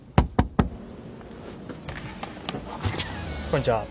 こんにちは。